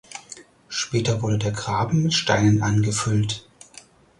Später wurde der Graben mit Steinen angefüllt.